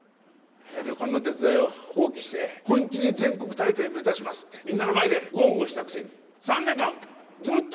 旅館の手伝いを放棄して本気で全国大会目指しますってみんなの前で豪語したくせに３年間ずっと補欠だったよな。